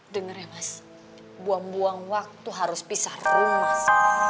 dengar ya mas buang buang waktu harus pisah rumah